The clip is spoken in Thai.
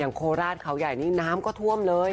โคราชเขาใหญ่นี่น้ำก็ท่วมเลย